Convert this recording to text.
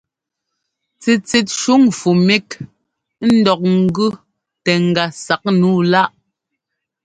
Tsitsit shuŋ fʉmík ńdɔk ŋ́gʉ tɛ ŋga saꞌ nǔu láꞌ.